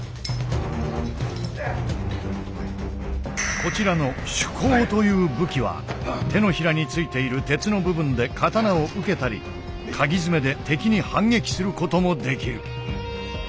こちらの手鉤という武器は手のひらについている鉄の部分で刀を受けたり鉤爪で敵に反撃することもできる。